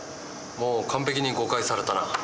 もう完璧に誤解されたな。